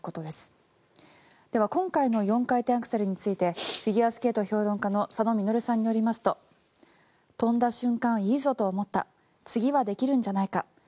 では、今回の４回転アクセルについてフィギュアスケート評論家の佐野稔さんによりますと跳んだ瞬間、いいぞと思った次はできるんじゃないか。